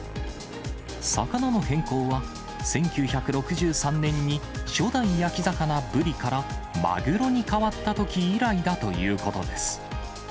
魚の変更は、１９６３年に初代焼き魚、ブリからマグロに変わったとき以来だということです。